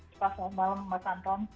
selamat malam mbak anton